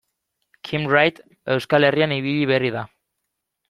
Kim Wright Euskal Herrian ibili berri da.